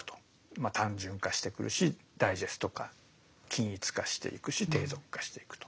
まあ単純化してくるしダイジェスト化均一化していくし低俗化していくと。